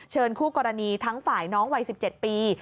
คู่กรณีทั้งฝ่ายน้องวัย๑๗ปี